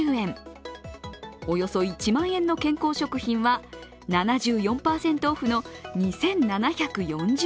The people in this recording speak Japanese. およそ１万円の健康食品は７４％オフの２７４０円に。